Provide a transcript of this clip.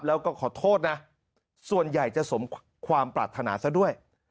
แล้วก็ขอโทษนะส่วนใหญ่จะสมความปรารถนาซะด้วย